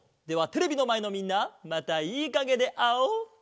ではテレビのまえのみんなまたいいかげであおう！